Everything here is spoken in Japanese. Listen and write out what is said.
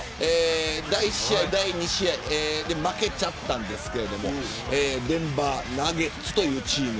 第１試合、第２試合は負けてしまいましたがデンバー・ナゲッツというチーム。